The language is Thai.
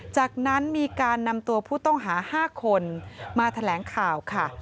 จากนั้นมีการนำตัวผู้ต้องหา๕คนมาแถลงข่าวค่ะ